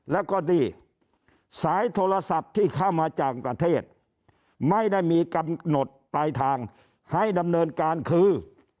แล้วก็นี่สายโทรศัพท์ที่เข้ามาจากประเทศไม่ได้มีกำหนดปลายทางให้ดำเนินการคือ